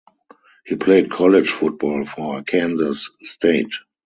He played college football for Arkansas State.